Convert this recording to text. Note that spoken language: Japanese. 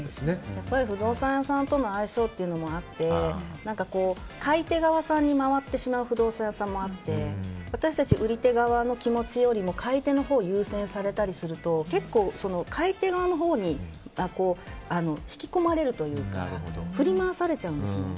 不動産屋さんとの相性というのもあって買い手側さんに回ってしまう不動産屋さんもあって私たち売り手側の気持ちよりも買い手のほうを優先されたりすると結構、買い手側のほうに引き込まれるというか振り回されちゃうんですよね。